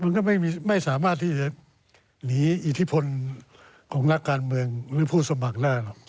มันก็ไม่สามารถที่จะหนีอิทธิพลของนักการเมืองหรือผู้สมัครได้หรอก